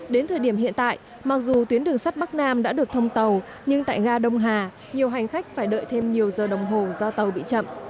đến thời điểm hiện tại mặc dù tuyến đường sắt bắc nam đã được thông tàu nhưng tại ga đông hà nhiều hành khách phải đợi thêm nhiều giờ đồng hồ do tàu bị chậm